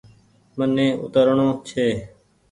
مني اوترڻو ڇي۔